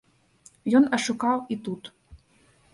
Ён ашукаў і тут.